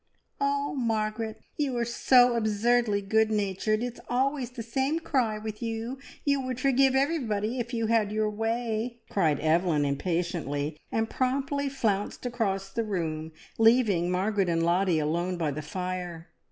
"Oh, Margaret, you are so absurdly good natured! It's always the same cry with you. You would forgive everybody, if you had your way!" cried Evelyn impatiently, and promptly flounced across the room, leaving Margaret and Lottie alone by the fire.